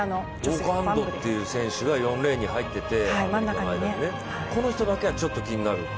オガンドっていう選手が４レーンに入っててこの人だけは気になる。